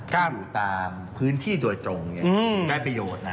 ก้าวอยู่ตามพื้นที่โดยตรงได้ประโยชน์นะ